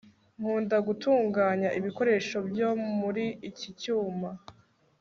nkunda gutunganya ibikoresho byo muri iki cyumba